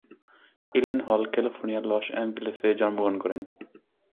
ইলেনহল ক্যালিফোর্নিয়ার লস এঞ্জেলেসে জন্মগ্রহণ করেন।